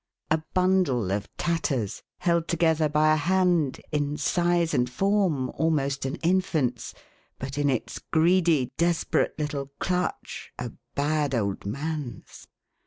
A bundle of tatters, held together by a hand, in size and form almost an infant's, but, in its greedy, desperate little clutch, a bad old man's.